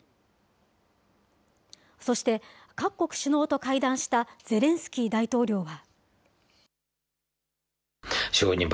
そして、各国首脳と会談したゼレンスキー大統領は。